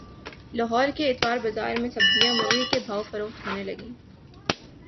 لاہور کے اتوار بازاروں میں سبزیاں مرغی کے بھاو فروخت ہونے لگیں